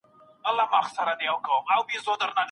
ډېر ږدن او پاڼي له کړکۍ څخه راځي.